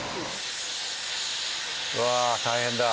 うわ大変だ。